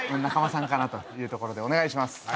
中間さんかなというところでお願いします